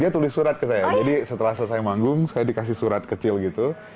dia tulis surat ke saya jadi setelah selesai manggung saya dikasih surat kecil gitu